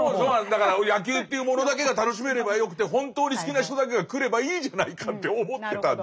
だから野球というものだけが楽しめればよくて本当に好きな人だけが来ればいいじゃないかって思ってたんです。